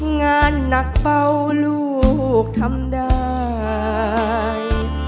งานหนักเฝ้าลูกทำได้